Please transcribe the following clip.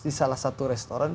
di salah satu restoran